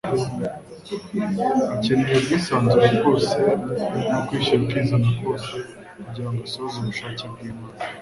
Akeneye ubwisanzure bwose n'ukwishyira ukizana kose kugira ngo asohoze ubushake bw'Imana.